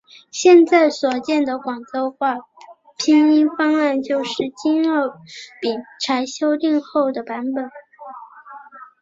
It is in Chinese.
现在所见的广州话拼音方案就是经饶秉才修订后的版本。